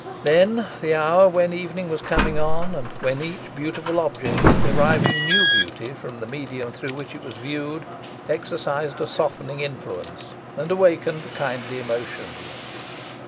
Then the hour, when evening was coming on, and when each beautiful object, deriving new beauty from the medium through which it was viewed, exercised a softening influence, and awakened kindly emotions.